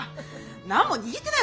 何も握ってないよ